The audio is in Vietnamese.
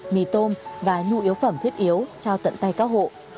mì tôm và nhu yếu phẩm thiết yếu trao tận tay các hộ